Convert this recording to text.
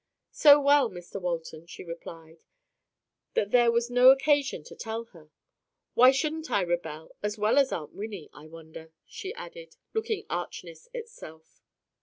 "So well, Mr Walton," she replied, "that there was no occasion to tell her. Why shouldn't I rebel as well as Aunt Wynnie, I wonder?" she added, looking archness itself.